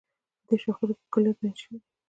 په دې شاخصو کې کُليات بیان شوي دي.